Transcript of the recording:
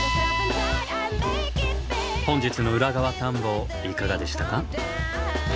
本日の裏側探訪いかがでしたか？